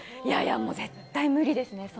いやいや、もう絶対に無理ですね。